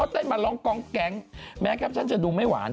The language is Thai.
เต้นมาร้องกองแก๊งแม้แคปชั่นจะดูไม่หวาน